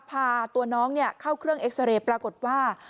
พาตัวน้องเข้าเครื่องเอ็กซาเรย์ปรากฏว่า